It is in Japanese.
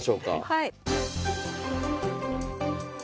はい。